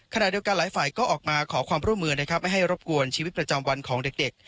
ขณะเดียวกันหลายฝ่ายก็ออกมาขอความร่วมมือนะครับไม่ให้รบกวนชีวิตประจำวันของเด็ก